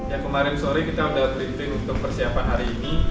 yang kemarin sore kita sudah drifting untuk persiapan hari ini